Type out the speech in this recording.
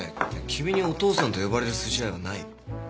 君にお父さんと呼ばれる筋合いはないよ。